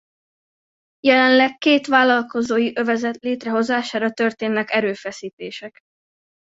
Jelenleg két vállalkozói övezet létrehozására történnek erőfeszítések.